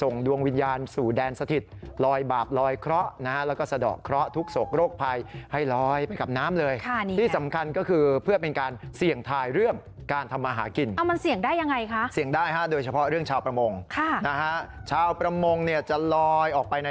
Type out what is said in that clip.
แล้วจะได้ปลามามากน้อยแค่ไหน